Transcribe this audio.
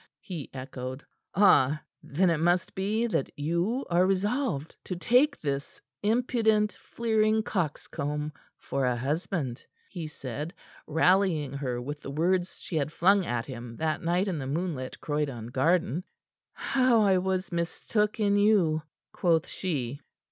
he echoed. "Ah! Then it must be that you are resolved to take this impudent, fleering coxcomb for a husband," he said, rallying her with the words she had flung at him that night in the moonlit Croydon garden. "How I was mistook in you!" quoth she.